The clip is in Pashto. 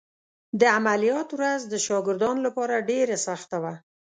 د عملیات ورځ د شاګردانو لپاره ډېره سخته وه.